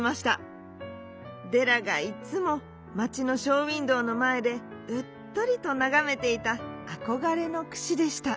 デラがいつもまちのショーウインドーのまえでうっとりとながめていたあこがれのくしでした。